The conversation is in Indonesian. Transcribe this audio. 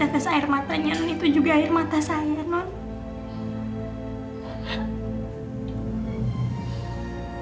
setiap tetes air matanya nont itu juga air mata saya nont